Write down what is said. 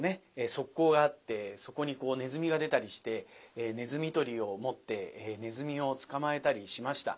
側溝があってそこにネズミが出たりしてネズミ捕りを持ってネズミを捕まえたりしました。